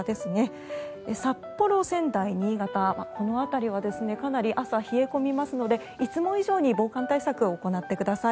札幌、仙台、新潟はかなり朝は冷え込みますのでいつも以上に防寒対策を行ってください。